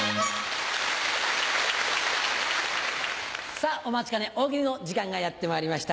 さぁお待ちかね大喜利の時間がやってまいりました。